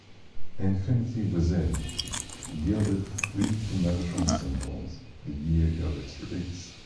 "Infinity Within" yielded three commercial singles the year of its release.